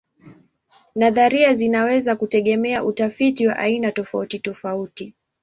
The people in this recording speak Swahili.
Nadharia zinaweza kutegemea utafiti wa aina tofautitofauti.